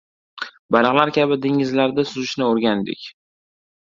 Baliqlar kabi dengizlarda suzishni o‘rgandik.